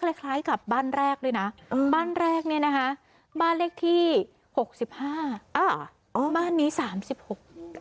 คล้ายคล้ายกับบ้านแรกด้วยนะบ้านแรกเนี่ยนะคะบ้านเลขที่หกสิบห้าอ่าอ๋อบ้านนี้สามสิบหกอ่า